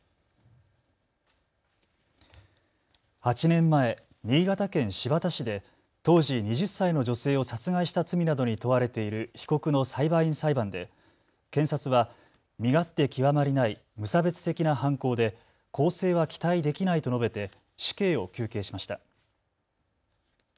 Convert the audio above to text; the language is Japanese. ８年前、新潟県新発田市で当時２０歳の女性を殺害した罪などに問われている被告の裁判員裁判で検察は身勝手極まりない無差別的な犯行で更生は期待できないと述べて死刑を求刑しました。